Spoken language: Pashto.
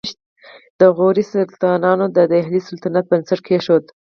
د غوري سلطانانو د دهلي سلطنت بنسټ کېښود